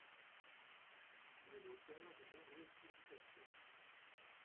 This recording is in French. Il est l'auteur de nombreuses publications.